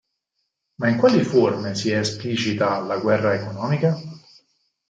Ma in quali forme si esplicita la guerra economica?